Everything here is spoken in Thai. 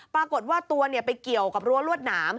ปรากฏว่าตัวไปเกี่ยวกับรั้วรวดหนาม